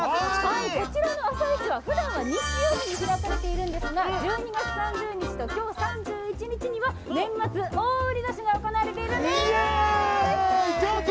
こちらの朝市は、普段は日曜日に開かれているんですが１２月３０日と今日３１日は年末大売出しが行われているんです。